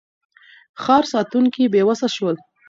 ښار ساتونکي بېوسه شول.